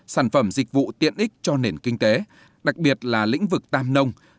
sản phẩm dịch vụ tiện ích cho nền kinh tế đặc biệt là lĩnh vực tam nông